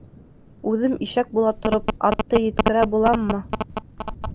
Үҙем ишәк була тороп, атты еткерә буламмы!